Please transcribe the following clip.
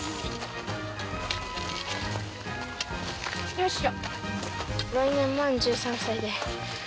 よいしょ。